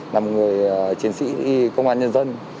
là một người chiến sĩ công an nhân dân